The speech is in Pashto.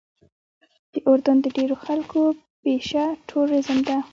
د اردن د ډېرو خلکو پیشه ټوریزم ده.